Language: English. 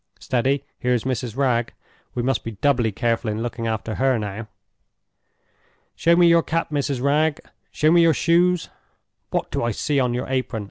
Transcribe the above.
Steady! here is Mrs. Wragge: we must be doubly careful in looking after her now. Show me your cap, Mrs. Wragge! show me your shoes! What do I see on your apron?